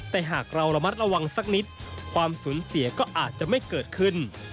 แต่หากเราระมัดระวังสักนิดความสูญเสียก็อาจจะไม่เกิดขึ้น